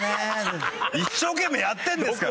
一生懸命やってんですから。